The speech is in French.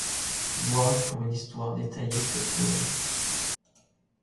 Voir pour une histoire détaillée de cette théorie.